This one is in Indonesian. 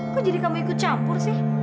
kok jadi kamu ikut campur sih